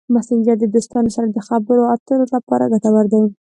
مسېنجر د دوستانو سره د خبرو اترو لپاره ګټور دی.